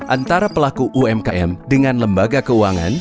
antara pelaku umkm dengan lembaga keuangan